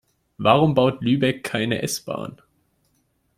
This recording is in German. Warum baut Lübeck keine S-Bahn?